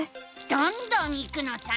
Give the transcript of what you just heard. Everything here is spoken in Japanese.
どんどんいくのさ！